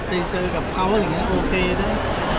ไปเจอกับเขาเรียงงี้โอเคนะ